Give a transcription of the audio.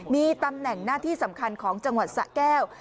มีตำแหน่งหน้าที่สำคัญของจังหวัดสะแก้ว